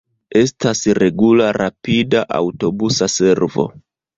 Estas regula rapida aŭtobusa servo.